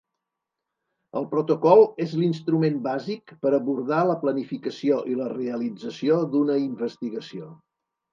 El protocol és l'instrument bàsic per abordar la planificació i la realització d'una investigació.